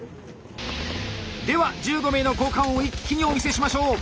では１５名の交換を一気にお見せしましょう！